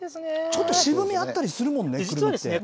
ちょっと渋みあったりするもんね、くるみって。